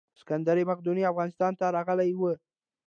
اسکندر مقدوني افغانستان ته راغلی و